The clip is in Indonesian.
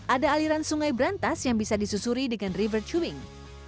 ada aliran sungai berantas yang bisa disusuri dengan river tubing